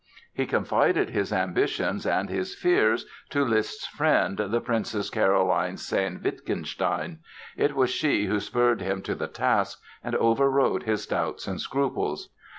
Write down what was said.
He confided his ambitions and his fears to Liszt's friend, the Princess Caroline Sayn Wittgenstein. It was she who spurred him to the task and overrode his doubts and scruples.